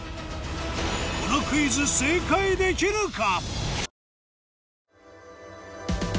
このクイズ正解できるか？